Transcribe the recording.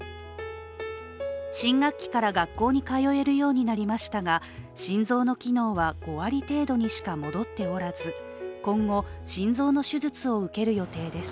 新学期から学校に通えるようになりましたが心臓の機能は５割程度にしか戻っておらず、今後、心臓の手術を受ける予定です。